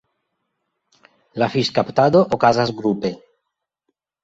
La fiŝkaptado okazas grupe.